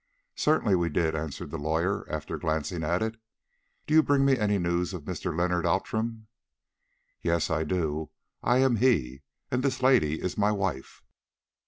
"Certainly we did," answered the lawyer after glancing at it. "Do you bring me any news of Mr. Leonard Outram?" "Yes, I do. I am he, and this lady is my wife."